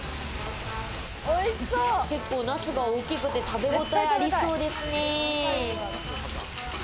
結構ナスが大きくて、食べごたえありそうですね。